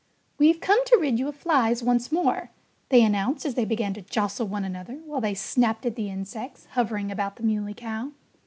"We've come to rid you of flies once more," they announced as they began to jostle one another while they snapped at the insects hovering about the Muley Cow.